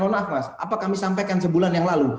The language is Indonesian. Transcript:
mohon maaf mas apa kami sampaikan sebulan yang lalu